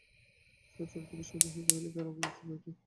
সুচরিতা বিস্মিত হইয়া কহিল, কেন, খেয়েছি বৈকি।